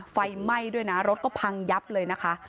ไฟไหม้ด้วยนะรถก็พังยับเลยนะคะ